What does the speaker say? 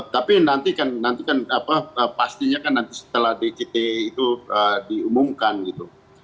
tapi nanti kan pastinya kan nanti setelah dgp itu diumumkan gitu